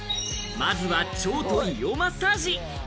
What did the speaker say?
まずは腸と胃をマッサージ。